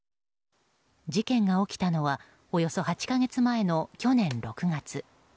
事件が起きたのはおよそ８か月前の去年６月。